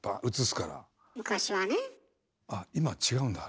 昔はね。